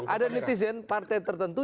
ada netizen partai tertentu